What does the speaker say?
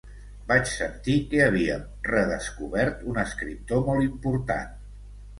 Vaig sentir que havíem redescobert un escriptor molt important.